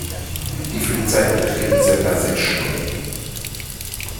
Die Flugzeit beträgt circa sechs Stunden.